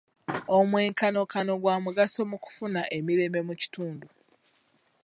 Omwenkanonkano gwa mugaso mu kufuna emirembe mu kitundu.